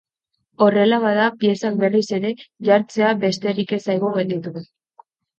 Horrela bada, piezak berriz ere jartzea besterik ez zaigu geldituko.